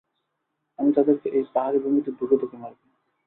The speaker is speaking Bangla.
আমি তাদেরকে এই পাহাড়ি ভূমিতে ধুঁকে ধুঁকে মারব।